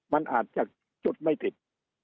มันอาจจะจุดไม่ติด